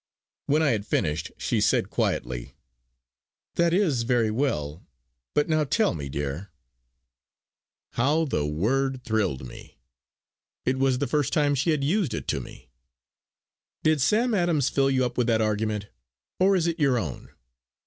When I had finished she said quietly: "That is very well; but now tell me, dear" how the word thrilled me; it was the first time she had used it to me "did Sam Adams fill you up with that argument, or is it your own?